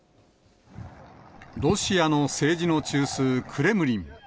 ロシアの政治の中枢、クレムリン。